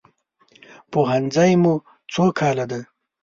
پوهنځی مو څو کاله ده؟